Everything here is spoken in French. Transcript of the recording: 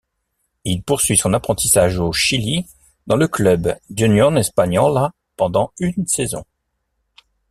Il poursuit son apprentissage au Chili, dans le club d'Unión Española pendant une saison.